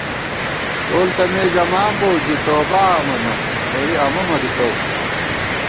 تول تہ مے ژَمانبوؤ زی توبا امَنہ، نوری امہ مہ دُتَؤ